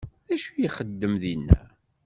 D acu ixeddem dinna?